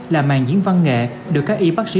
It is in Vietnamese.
là màn diễn văn nghệ được các y bác sĩ